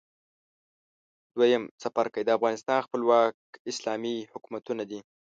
دویم څپرکی د افغانستان خپلواک اسلامي حکومتونه دي.